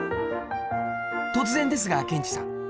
突然ですがケンチさん。